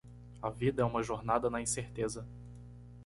A vida é uma jornada na incerteza.